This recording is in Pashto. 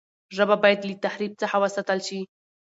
ژبه باید له تحریف څخه وساتل سي.